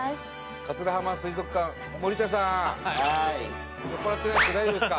桂浜水族館盛田さんはい大丈夫ですか？